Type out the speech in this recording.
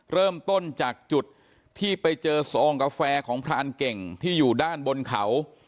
เริ่มต้นจากจุดที่ไปเจอซองกาแฟของพรานเก่งที่อยู่ด้านบนเขา